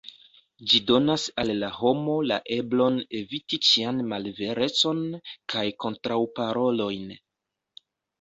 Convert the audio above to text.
Ĝi donas al la homo la eblon eviti ĉian malverecon kaj kontraŭparolojn.